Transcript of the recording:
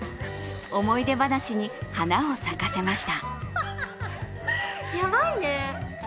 思い出話に花を咲かせました。